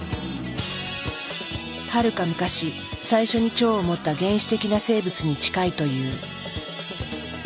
はるか昔最初に腸を持った原始的な生物に近いという。